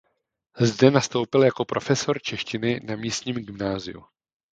Zde nastoupil jako profesor češtiny na místním gymnáziu.